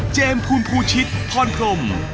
เจมส์ภูมิภูชิตพรพรม